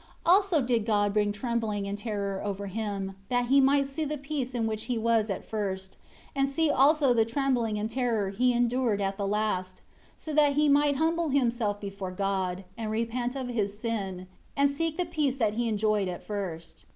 Also did God bring trembling and terror over him, that he might see the peace in which he was at first, and see also the trembling and terror he endured at the last; so that he might humble himself before God, and repent of his sin, and seek the peace that he enjoyed at first.